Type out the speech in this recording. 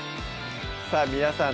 さぁ皆さん